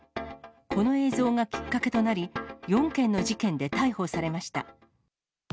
この映像がきっかけとなり、４件の事件で逮捕されました。